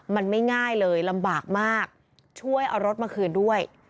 มันไม่ง่ายเลยลำบากมากช่วยเอารถมาคืนด้วย